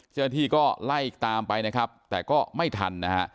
เจ้าหน้าที่ก็ไล่ตามไปนะครับแต่ก็ไม่ทันนะฮะ